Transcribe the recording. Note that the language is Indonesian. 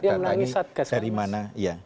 dan lagi dari mana